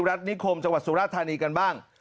รัฐนิคมจังหวัดสุราธานีกันบ้าง